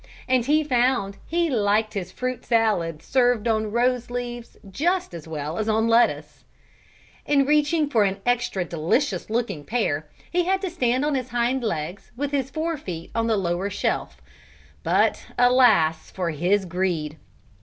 And he found he liked his fruit salad served on rose leaves just as well as on lettuce. In reaching for an extra delicious looking pear he had to stand on his hind legs with his fore feet on the lower shelf. But alas, for his greed!